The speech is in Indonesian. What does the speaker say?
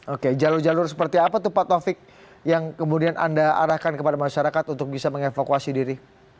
oke jalur jalur seperti apa tuh pak taufik yang kemudian anda arahkan kepada masyarakat untuk bisa mengevakuasi diri